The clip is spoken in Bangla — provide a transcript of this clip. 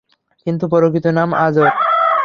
কিন্তু প্রকৃত নাম আযর।